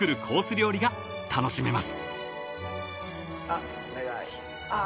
料理が楽しめます］